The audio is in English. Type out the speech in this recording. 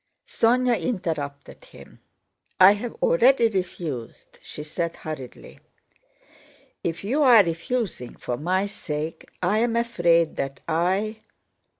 Sónya interrupted him. "I have already refused," she said hurriedly. "If you are refusing for my sake, I am afraid that I..."